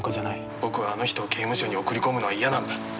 僕はあの人を刑務所に送り込むのは嫌なんだ。